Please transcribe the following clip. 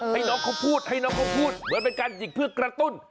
ให้น้องเขาพูดให้น้องเขาพูดเหมือนเป็นการหยิกเพื่อกระตุ้น